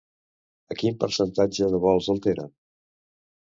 A quin percentatge de vols alteren?